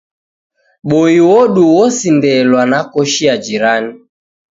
Boi odu wasindelwa na koshi ya jirani.